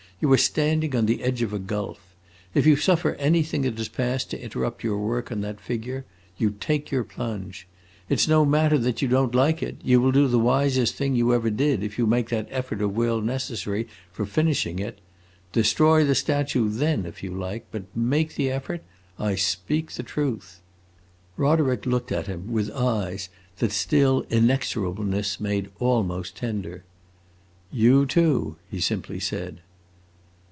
"You are standing on the edge of a gulf. If you suffer anything that has passed to interrupt your work on that figure, you take your plunge. It 's no matter that you don't like it; you will do the wisest thing you ever did if you make that effort of will necessary for finishing it. Destroy the statue then, if you like, but make the effort. I speak the truth!" Roderick looked at him with eyes that still inexorableness made almost tender. "You too!" he simply said.